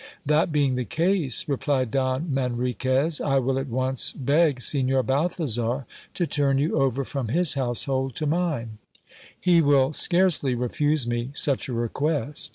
That being the case, replied Don Manriquez, I will at once beg Signor Balthasar to turn you over from his household to mine : he will scarcely refuse me such a request.